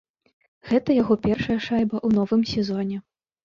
Гэта яго першая шайба ў новым сезоне.